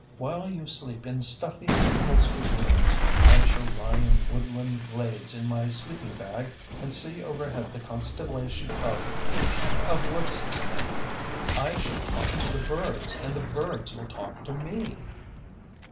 While you sleep in stuffy, upholstered rooms I shall lie in woodland glades in my sleeping bag and see overhead the constellation of of what's its name. I shall talk to the birds and the birds will talk to me."